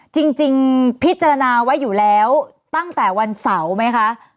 จริงพิจารณาไว้อยู่แล้วตั้งแต่วันเสาร์ไหมคะ